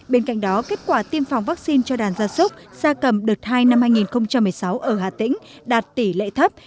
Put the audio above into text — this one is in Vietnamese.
bên cạnh đó kết quả tiêm phòng vaccine cho đàn gia súc gia cầm đợt hai năm hai nghìn một mươi sáu ở hà tĩnh đạt tỷ lệ thấp